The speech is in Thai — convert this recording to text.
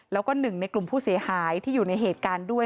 แล้วก็หนึ่งในกลุ่มผู้เสียหายที่อยู่ในเหตุการณ์ด้วย